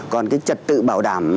còn cái trật tự bảo đảm